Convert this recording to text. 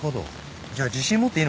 じゃあ自信持っていいのかな？